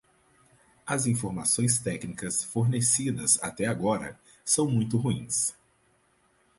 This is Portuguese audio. As informações técnicas fornecidas até agora são muito ruins.